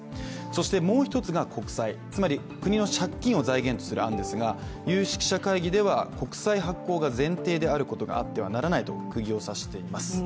そしてもう一つが国債つまり国の借金を財源とする案ですが有識者会議では国債発行が前提であることはあってはならないとくぎを刺しています。